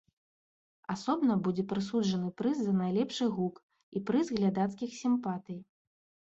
Асобна будзе прысуджаны прыз за найлепшы гук і прыз глядацкіх сімпатый.